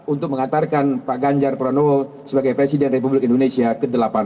untuk mengantarkan pak ganjar pranowo sebagai presiden republik indonesia ke delapan belas